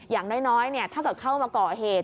อย่างน้อยถ้าเข้ามาเกาะเหตุ